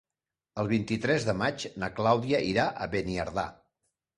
El vint-i-tres de maig na Clàudia irà a Beniardà.